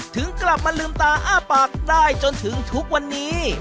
ถึงกลับมาลืมตาอ้าปากได้จนถึงทุกวันนี้